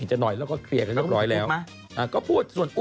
ก็อยากให้พี่อุ๊บให้อภัยน้องเพชร